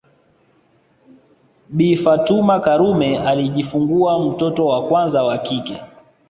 Bi Fatuma Karume alijifungua mtoto wa kwanza wa kike